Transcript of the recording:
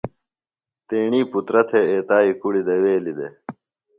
تیݨی پُترہ تھےۡ ایتائیۡ کُڑیۡ دویلیۡ دےۡ